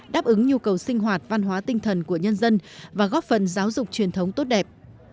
đáp ứng nhu cầu sinh hoạt văn hóa tinh thần của nhân dân và góp phần giáo dục truyền thống tốt đẹp